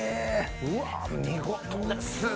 うわ見事ですね